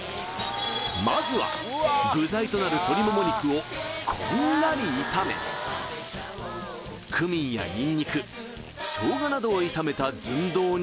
まずは具材となる鶏もも肉をこんがり炒めクミンやニンニク生姜などを炒めたずんどうに